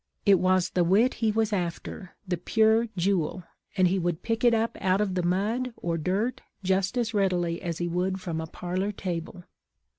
It was the wit he was after, the pure jewel, and he would pick it up out of the mud or dirt just as readily as he would from a parlor table.